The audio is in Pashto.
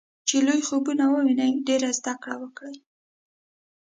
چې لوی خوبونه وويني ډېره زده کړه وکړي.